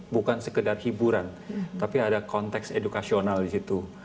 bukan sekedar hiburan tapi ada konteks edukasional di situ